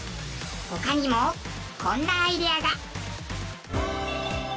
他にもこんなアイデアが。